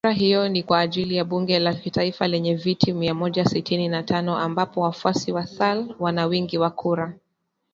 Kura hiyo ni kwa ajili ya bunge la kitaifa lenye viti mia moja sitini na tano ambapo wafuasi wa Sall wana wingi wa kura